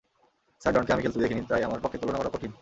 Sir ডনকে আমি খেলতে দেখিনি, তাই আমার পক্ষে তুলনা করা কঠিন।